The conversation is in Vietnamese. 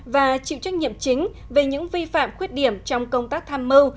và chịu trách nhiệm chính về những vi phạm khuyết điểm trong công tác tham mưu